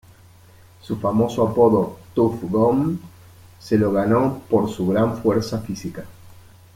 Su famoso apodo "Tuff Gong" se lo ganó por su gran fuerza física.